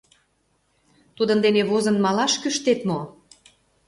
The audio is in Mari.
Тудын дене возын малаш кӱштет мо?